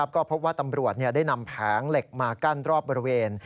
ก็พบว่าตำรวจได้นำแผงเหล็กมากั้นรอบบริเวณ